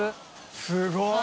すごい！